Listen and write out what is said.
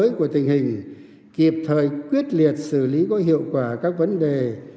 năng lực của tình hình kịp thời quyết liệt xử lý có hiệu quả các vấn đề